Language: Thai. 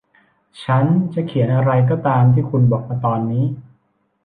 ฉันจะเขียนอะไรก็ตามที่คุณบอกมาตอนนี้